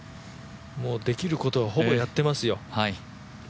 できることは、ほぼやってますよ。